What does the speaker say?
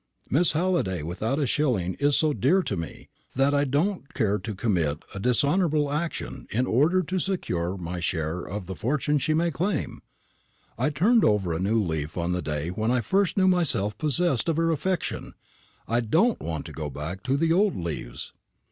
"Miss Halliday without a shilling is so dear to me, that I don't care to commit a dishonourable action in order to secure my share of the fortune she may claim. I turned over a new leaf on the day when I first knew myself possessed of her affection. I don't want to go back to the old leaves."